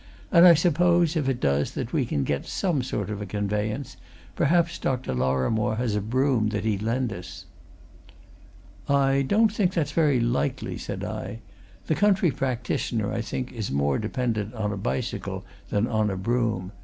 "And I suppose, if it does, that we can get some sort of a conveyance perhaps, Dr. Lorrimore has a brougham that he'd lend us." "I don't think that's very likely," said I. "The country practitioner, I think, is more dependent on a bicycle than on a brougham.